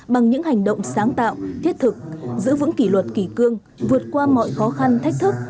bằng những hành động sáng tạo thiết thực giữ vững kỷ luật kỷ cương vượt qua mọi khó khăn thách thức